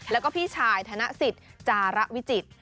แล้วก็พี่ชายธนสิทธิ์จาระวิจิตร